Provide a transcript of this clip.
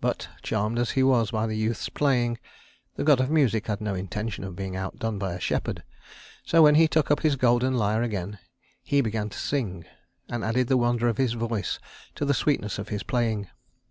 But, charmed as he was by the youth's playing, the god of music had no intention of being outdone by a shepherd; so when he took up his golden lyre again, he began to sing, and added the wonder of his voice to the sweetness of his playing.